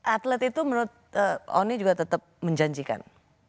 atlet itu menurut oni juga tetap menjanjikan